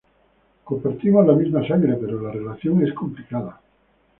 Compartimos la misma sangre, pero la relación es complicada.